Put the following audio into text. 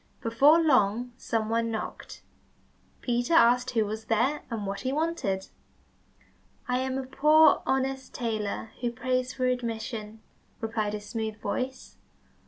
Before long some one knocked. Peter asked who was there, and what he wanted? "I am a poor, honest tailor who prays for admission," replied a smooth voice.